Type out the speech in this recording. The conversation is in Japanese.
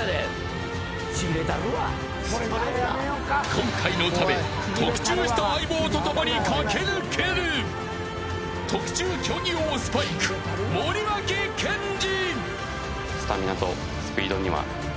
今回のため特注した相棒と駆け抜ける特注競技用スパイク、森脇健児。